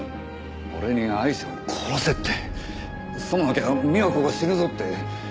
俺にアイシャを殺せってさもなきゃ美和子が死ぬぞって。